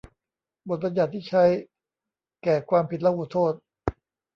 บทบัญญัติที่ใช้แก่ความผิดลหุโทษ